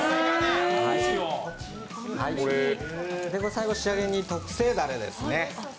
最後、仕上げに特製だれですね。